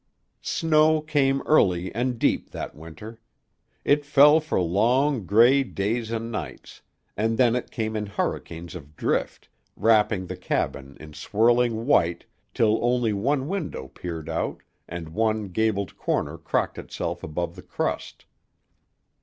Snow came early and deep that winter. It fell for long, gray days and nights, and then it came in hurricanes of drift, wrapping the cabin in swirling white till only one window peered out and one gabled corner cocked itself above the crust.